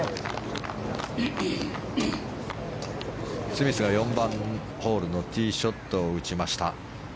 スミスが４番ホールのティーショットを打ちました。